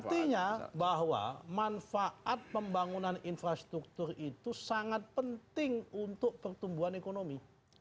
artinya bahwa manfaat pembangunan infrastruktur itu sangat penting untuk pertumbuhan ekonomi